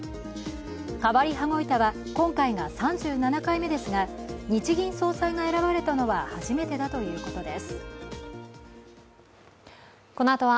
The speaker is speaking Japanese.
変わり羽子板は今回が３７回目ですが日銀総裁が選ばれたのは初めてだということです。